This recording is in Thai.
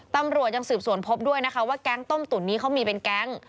ตำรวจยังสืบสวนพบด้วยนะคะว่าแก๊งต้มตุ๋นนี้เขามีเป็นแก๊ง